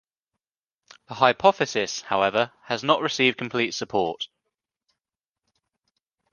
This hypothesis, however, has not received complete support.